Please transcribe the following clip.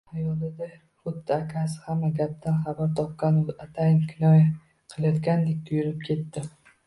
Xayolida xuddi akasi hamma gapdan xabar topgan-u, atayin kinoya qilayotgandek tuyulib ketdi